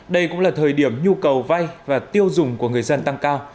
đây cũng là thời điểm nhu cầu vay và tiêu dùng của người dân tăng cao